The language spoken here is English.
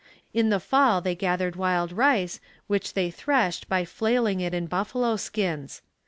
In the fall they gathered wild rice which they threshed by flailing it in buffalo skins.